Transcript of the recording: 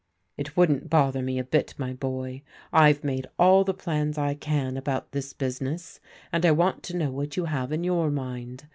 " It wouldn't bother me a bit, my boy. I've made all the plans I can about this business, and I want to know what you have in your mind.